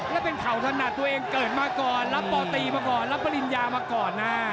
แล้วเป็นเข่าถนัดตัวเองเกิดมาก่อนรับปอตีมาก่อนรับปริญญามาก่อนนะ